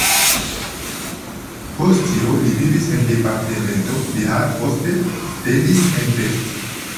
Post tio, li vivis en departemento Bihar, poste setlis en Pest.